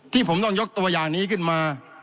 ที่ผมต้องยกตัวอย่างนี้ขึ้นมา